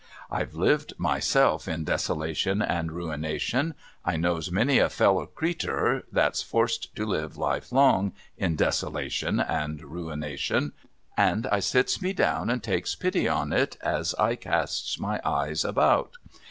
I've lived myself in desolation and ruination ; I knows many a fellow creetur that's forced to live life long in desolation and ruination ; and I sits me down and takes pity on it, as I casts my eyes about.